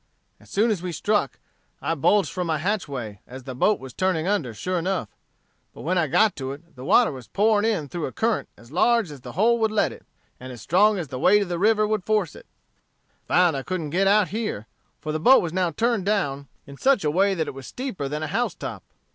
As soon as we struck, I bulged for my hatchway, as the boat was turning under sure enough. But when I got to it, the water was pouring through in a current as large as the hole would let it, and as strong as the weight of the river would force it. I found I couldn't get out here, for the boat was now turned down in such a way that it was steeper than a house top.